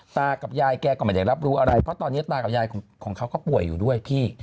ตากับยายแกก็ไม่ได้รับรู้อะไรเพราะตอนนี้ตากับยายของเขาก็ป่วยอยู่ด้วยพี่